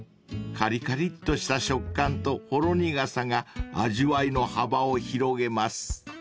［かりかりっとした食感とほろ苦さが味わいの幅を広げます］